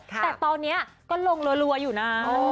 แต่ตอนนี้ก็ลงรัวอยู่นะ